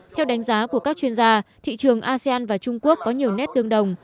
theo đánh giá của các chuyên gia thị trường asean và trung quốc có nhiều nét tương đồng